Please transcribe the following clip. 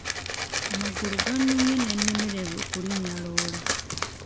Amagulu gannumye ne nnemererwa okulinnya loole.